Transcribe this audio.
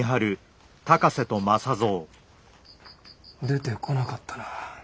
出てこなかったな。